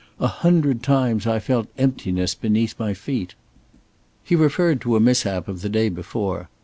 "A hundred times I felt emptiness beneath my feet." He referred to a mishap of the day before.